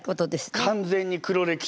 完全に黒歴史です。